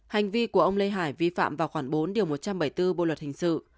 hành vi của ông lê hải vi phạm vào khoảng bốn một trăm bảy mươi bốn bộ luật hình sự